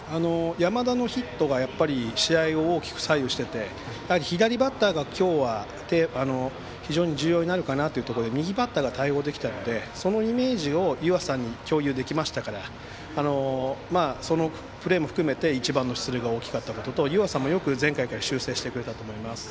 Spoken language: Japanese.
山田のヒットがやっぱり試合を大きく左右してて左バッターが今日は非常に重要になるかなというところで右バッターが対応できたのでそのイメージを湯浅に共有できましたからそのプレーも含めて１番の出塁が大きかったことと湯浅もよく前回から修正してくれたと思います。